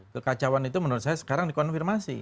kekacauan itu menurut saya sekarang dikonfirmasi